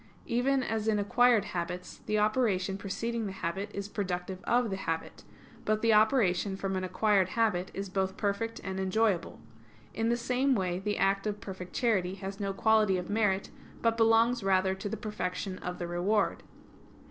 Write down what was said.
Even as in acquired habits, the operation preceding the habit is productive of the habit; but the operation from an acquired habit is both perfect and enjoyable. In the same way the act of perfect charity has no quality of merit, but belongs rather to the perfection of the reward.